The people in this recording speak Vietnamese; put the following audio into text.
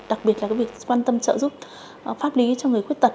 đặc biệt là việc quan tâm trợ giúp pháp lý cho người khuyết tật